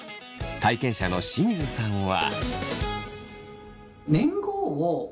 体験者の清水さんは。